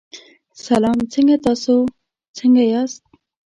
سلام څنګه تاسو څنګه یاست.